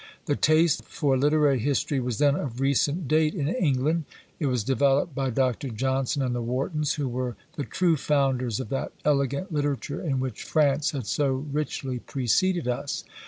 The taste for literary history was then of recent date in England. It was developed by Dr. Johnson and the Wartons, who were the true founders of that elegant literature in which France had so richly preceded us.